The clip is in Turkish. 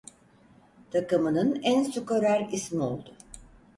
Takımının en skorer ismi oldu.